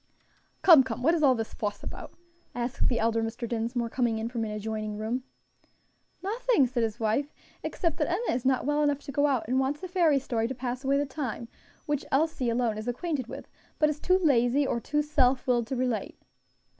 "Come, come, what is all this fuss about?" asked the elder Mr. Dinsmore, coming in from an adjoining room. "Nothing," said his wife, "except that Enna is not well enough to go out, and wants a fairy story to pass away the time, which Elsie alone is acquainted with, but is too lazy or too self willed to relate."